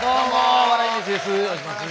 お願いします。